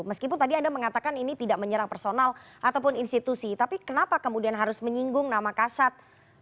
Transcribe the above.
meskipun tadi anda mengatakan ini tidak menyerang personal ataupun institusi tapi kenapa kemudian harus menyinggung nama kasat